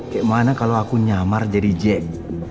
gimana kalau aku nyamar jadi jack